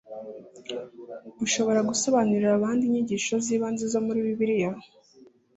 Ushobora gusobanurira abandi inyigisho z’ibanze zo muri Bibiliya